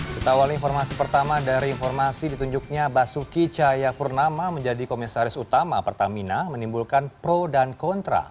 kita awal informasi pertama dari informasi ditunjuknya basuki cahayapurnama menjadi komisaris utama pertamina menimbulkan pro dan kontra